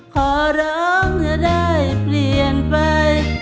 ขอร้องจะได้เปลี่ยนไป